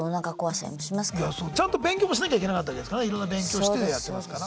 ちゃんと勉強もしなきゃいけなかったわけですからねいろんな勉強してやってますから。